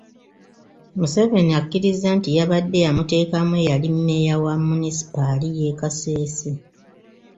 Museveni akkiriza nti yabadde yamuteekamu eyali mmeeya wa munisipaali y’e Kasese.